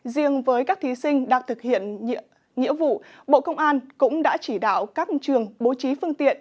riêng với các thí sinh đang thực hiện nhiệm vụ bộ công an cũng đã chỉ đạo các trường bố trí phương tiện